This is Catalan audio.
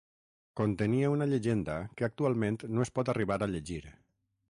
Contenia una llegenda que actualment no es pot arribar a llegir.